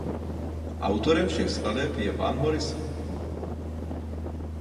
Autorem všech skladeb je Van Morrison.